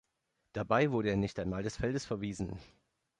Dabei wurde er nicht einmal des Feldes verwiesen.